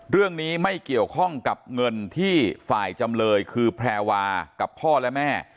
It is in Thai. เรื่องนี้ไม่เกี่ยวข้องกับเงินที่ฝ่ายจำเลยคือแพรวากับพ่อและแม่